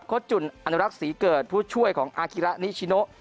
จุ่นอนุรักษ์ศรีเกิดผู้ช่วยของอาคิระนิชิโน